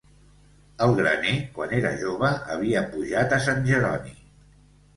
El graner, quan era jove, havia pujat a Sant Jeroni